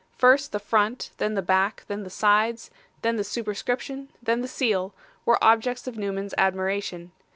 First the front, then the back, then the sides, then the superscription, then the seal, were objects of Newman's admiration.